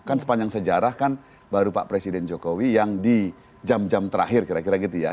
kan sepanjang sejarah kan baru pak presiden jokowi yang di jam jam terakhir kira kira gitu ya